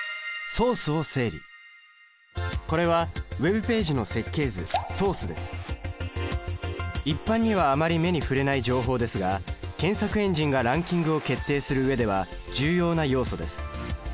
これはＷｅｂページの設計図一般にはあまり目に触れない情報ですが検索エンジンがランキングを決定する上では重要な要素です。